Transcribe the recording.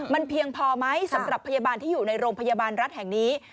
มันเพียงพอไหมสำหรับพยาบาลที่อยู่ในโรงพยาบาลรัฐแห่งนี้